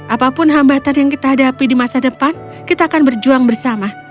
apapun hambatan yang kita hadapi di masa depan kita akan berjuang bersama